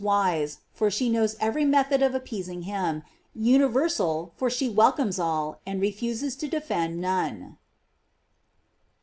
wise, for she knows every method of appeasing him; universal, for she welcomes all, and refuses to defend none.